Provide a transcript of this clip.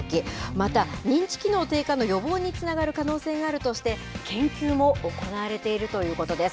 また、認知機能低下の予防につながる可能性があるとして、研究も行われているということです。